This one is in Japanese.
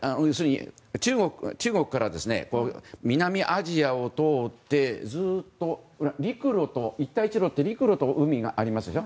中国から南アジアを通って一帯一路って陸路と海がありますでしょ。